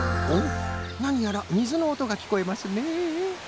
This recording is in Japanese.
なにやらみずのおとがきこえますね。